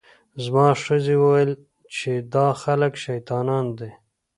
زما ښځې وویل چې دا خلک شیطانان دي.